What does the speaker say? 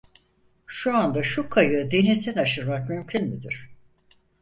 Şu anda şu kayığı denizden aşırmak mümkün müdür?